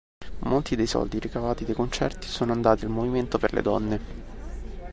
Molti dei soldi ricavati dai concerti sono andati al movimento per le donne.